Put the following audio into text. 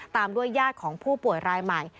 ตามด้วยญาติของผู้ป่วยรายใหม่